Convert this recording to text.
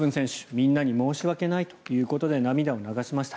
みんなに申し訳ないということで涙を流しました。